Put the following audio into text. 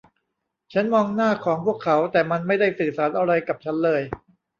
ฉันมองหน้าของพวกเขา แต่มันไม่ได้สื่อสารอะไรกับฉันเลย